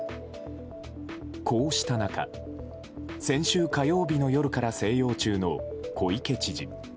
こうした中先週火曜日の夜から静養中の小池知事。